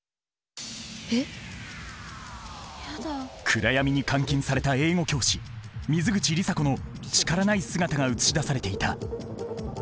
暗闇に監禁された英語教師水口里紗子の力ない姿が映し出されていた。